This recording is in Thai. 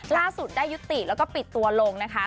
ล่าสุดได้ยุติแล้วก็ปิดตัวลงนะคะ